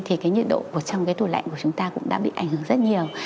thì cái nhiệt độ trong cái tủ lạnh của chúng ta cũng đã bị ảnh hưởng rất nhiều